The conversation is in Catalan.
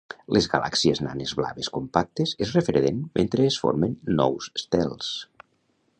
Les galàxies nanes blaves compactes es refreden mentre es formen nous estels.